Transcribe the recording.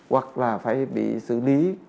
hoặc là phải bị xử lý